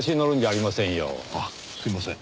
あっすいません。